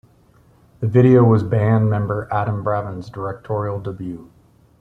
The video was band member Adam Bravin's directorial debut.